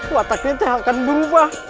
watak kita akan berubah